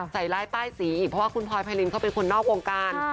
ใส่ร้ายป้ายสีอีกเพราะว่าคุณพลอยไพรินเขาเป็นคนนอกวงการ